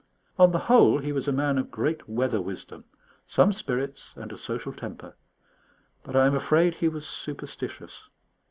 On the whole, he was a man of great weather wisdom, some spirits, and a social temper. But I am afraid he was superstitious.